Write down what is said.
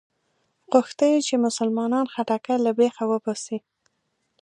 غوښته یې چې مسلمانانو خټکی له بېخه وباسي.